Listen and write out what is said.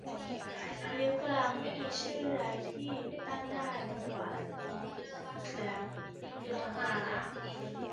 นิ้วกลาง ไม่มีชื่อใดที่ตั้งได้ดีกว่านี้อีกแล้ว อยู่ตรงกลางในห้านิ้วพอดี